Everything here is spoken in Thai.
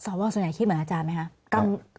ส่วนใหญ่คิดเหมือนอาจารย์ไหมคะ